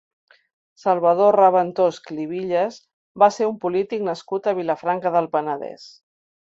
Salvador Raventós Clivilles va ser un polític nascut a Vilafranca del Penedès.